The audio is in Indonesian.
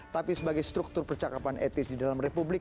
tapi sebagai struktur percakapan etis di dalam republik